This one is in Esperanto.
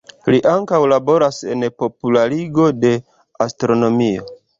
Li ankaŭ laboras en popularigo de astronomio.